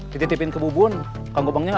dititipin ke bubun kangkupangnya ada